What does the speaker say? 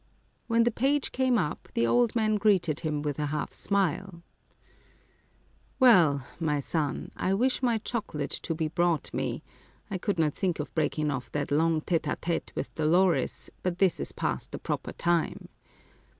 When the page came up, the old man greeted him with a half smile. "Well, my son, I wish my chocolate to be 277 Curiosities of Olden Times brought me ; I could not think of breaking off that long tite a tite with Dolores, but this is past the proper time."